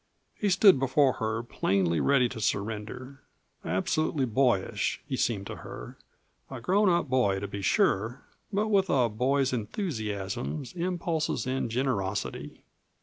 He stood before her, plainly ready to surrender. Absolutely boyish, he seemed to her a grown up boy to be sure, but with a boy's enthusiasms, impulses, and generosity.